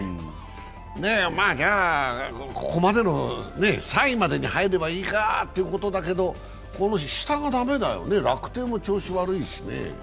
じゃあ、３位までに入ればいいかということだけどこの下が駄目だよね、楽天も調子悪いしね。